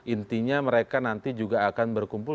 intinya mereka nanti juga akan berkumpul